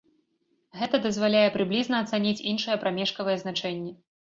Гэта дазваляе прыблізна ацаніць іншыя прамежкавыя значэнні.